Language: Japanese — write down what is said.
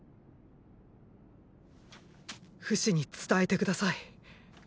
フシに伝えて下さい。